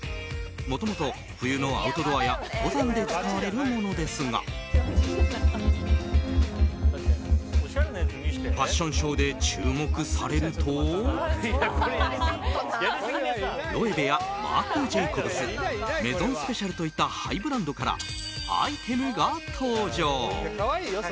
もともと冬のアウトドアや登山で使われるものですがファッションショーで注目されるとロエベやマークジェイコブスメゾンスペシャルといったハイブランドからアイテムが登場。